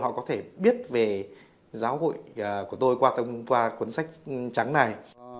họ có thể biết về giáo hội của tôi qua cuốn sách trắng này